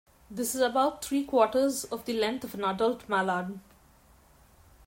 This is about three-quarters of the length of an adult mallard.